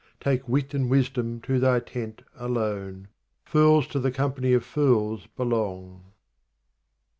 Take wit and wisdom to thy tent alone ; Fools to the company of fools belong.